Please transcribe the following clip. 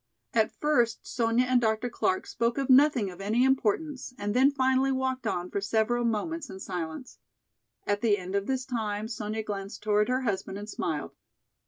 At first Sonya and Dr. Clark spoke of nothing of any importance and then finally walked on for several moments in silence. At the end of this time, Sonya glanced toward her husband and smiled.